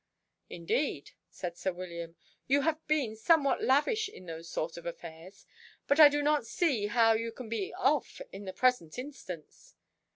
"Indeed," said sir William, "you have been somewhat lavish in those sort of affairs, but I do not see how you can be off in the present instance.